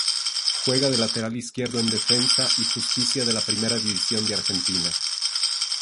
Juega de lateral izquierdo en Defensa y Justicia de la Primera División de Argentina.